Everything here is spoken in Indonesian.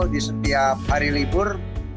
di setiap hari libur